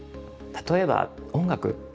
例えば音楽。